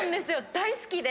大好きで。